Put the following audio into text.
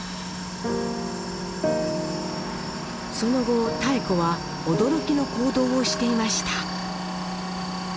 その後妙子は驚きの行動をしていました。